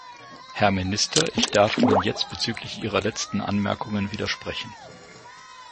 Herr Minister, ich darf Ihnen jetzt bezüglich Ihrer letzten Anmerkungen widersprechen.